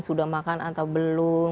sudah makan atau belum